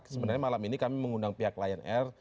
sebenarnya malam ini kami mengundang pihak lion air